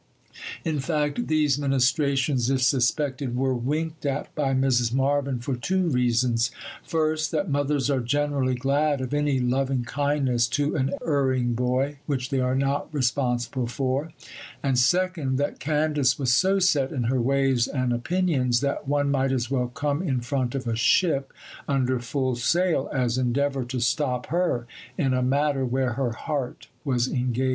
In fact, these ministrations, if suspected, were winked at by Mrs. Marvyn, for two reasons: first, that mothers are generally glad of any loving kindness to an erring boy, which they are not responsible for; and second, that Candace was so set in her ways and opinions that one might as well come in front of a ship under full sail as endeavour to stop her in a matter where her heart was engaged.